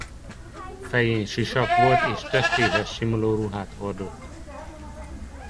Fején sisak volt és testéhez simuló ruhát hordott.